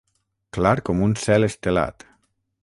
Clar com un cel estelat.